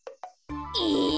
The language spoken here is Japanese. え！